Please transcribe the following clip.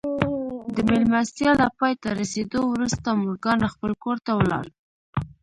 د مېلمستيا له پای ته رسېدو وروسته مورګان خپل کور ته ولاړ.